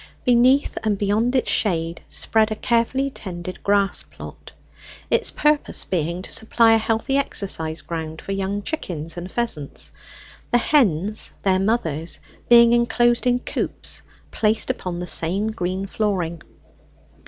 Beneath and beyond its shade spread a carefully tended grass plot, its purpose being to supply a healthy exercise ground for young chickens and pheasants; the hens, their mothers, being enclosed in coops placed upon the same green flooring.